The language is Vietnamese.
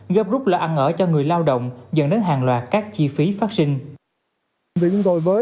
gấp rút là ăn ở cho người lao động dẫn đến hàng loạt các chi phí phát sinh